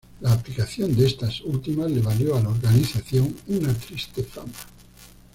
La aplicación de estas últimas le valió a la organización una triste fama.